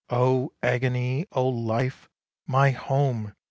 Oh agony! Oh life! My home!